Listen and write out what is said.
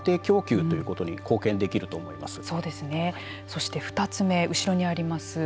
そして２つ目後ろにあります